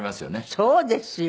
そうですよ。